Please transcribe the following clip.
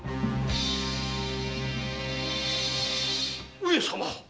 上様！